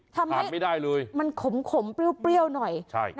ทานไม่ได้เลยทำให้มันขมเปรี้ยวหน่อย